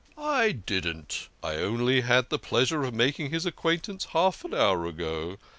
" I didn't. I only had the pleasure of making his ac quaintance half an hour ago.